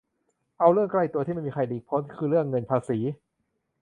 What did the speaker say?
เอาเรื่องใกล้ตัว ที่ไม่มีใครหลีกพ้น คือเรื่องเงินภาษี